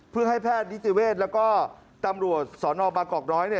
เพื่อให้แพทย์นิติเวศแล้วก็ตำรวจสนบางกอกน้อย